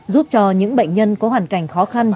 giúp cho những bệnh nhân có hoàn cảnh khó khăn